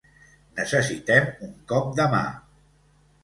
Necessitem un cop de mà!